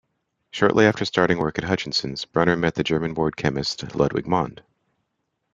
Shortly after starting work at Hutchinson's, Brunner met the German-born chemist Ludwig Mond.